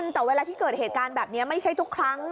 แต่เวลาที่เกิดเหตุการณ์แบบนี้ไม่ใช่ทุกครั้ง